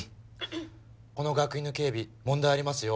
この学院の警備問題ありますよ